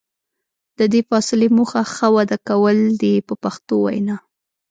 د دې فاصلې موخه ښه وده کول دي په پښتو وینا.